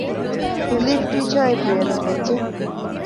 ރިލީފް ޓީޗަރ އެއް ބޭނުންވެއްޖެ